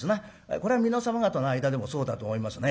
これは皆様方の間でもそうだと思いますね。